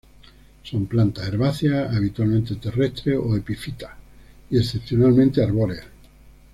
Son plantas herbáceas, habitualmente terrestres o epífitas, y excepcionalmente arbóreas.